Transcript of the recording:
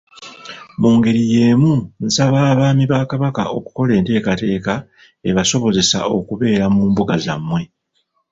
Mu ngeri yeemu nsaba Abaami ba Kabaka okukola enteekateeka ebasobozesa okubeera mu mbuga zammwe.